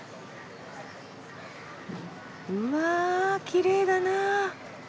うわきれいだなあ！